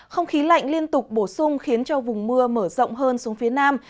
không khí lạnh liên tục bổ sung khiến cho vùng mưa mở rộng hơn xuống phía nam